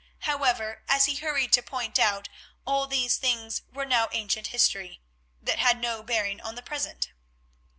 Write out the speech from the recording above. However, as he hurried to point out, all these things were now ancient history that had no bearing on the present.